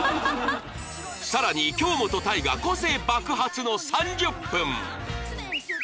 更に京本大我個性爆発の３０分